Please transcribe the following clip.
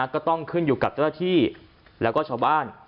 ก็ต้องขึ้นอยู่กับเจ้าหน้าที่แล้วก็ชาวบ้าน